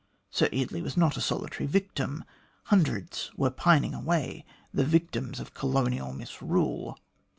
Sir Eardley was not a solitary victim. Hundreds were pining away, the victims of colonial misrule.